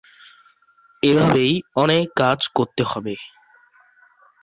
এভাবেই অনেক কাজ করতে হবে।